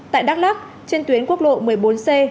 tại đắk lắc trên tuyến quốc lộ một mươi bốn c